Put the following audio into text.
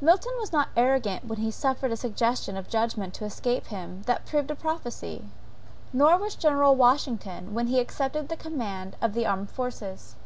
Milton was not arrogant when he suffered a suggestion of judgment to escape him that proved a prophesy; nor was General Washington when he accepted of the command of the American forces.